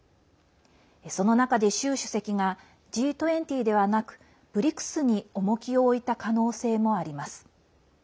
その中で、習主席がＧ２０ではなくＢＲＩＣＳに重きを置いた可能性もあります。